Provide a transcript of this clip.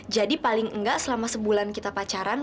jadi paling enggak selama sebulan kita pacaran